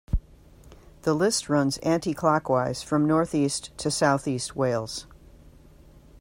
The list runs anticlockwise from north-east to south-east Wales.